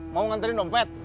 mau nganterin dompet